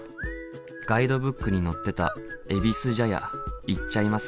ガイドブックに載ってたえびす茶屋行っちゃいますか。